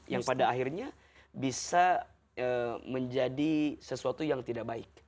yang pada akhirnya bisa menjadi sesuatu yang tidak baik